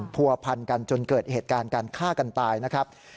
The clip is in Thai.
ผัวพันกันจนเกิดเหตุการณ์การฆ่ากันตายนะครับ